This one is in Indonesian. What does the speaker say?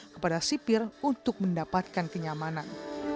kepada sipir untuk mendapatkan kenyamanan